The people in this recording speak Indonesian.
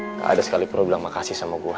nggak ada sekali perlu lo bilang makasih sama gue